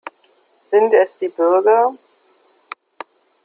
Sind es die Bürger?